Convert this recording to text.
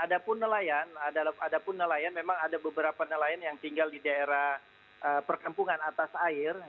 dan ada pun nelayan memang ada beberapa nelayan yang tinggal di daerah perkampungan atas air